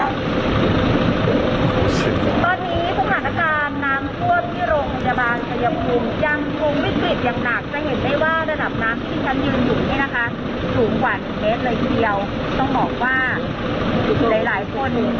ตอนนี้พวกนักอาจารย์น้ำท่วมที่โรงพยาบาลชายภูมิ